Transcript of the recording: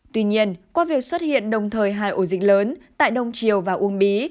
tuy nhiên qua việc xuất hiện đồng thời hai ổ dịch lớn tại đông triều và uông bí